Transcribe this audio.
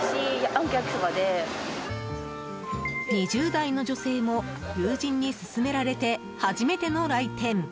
２０代の女性も友人に勧められて初めての来店。